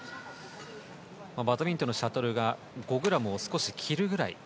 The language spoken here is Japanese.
バドミントンのシャトルが５ｇを少し切るぐらい。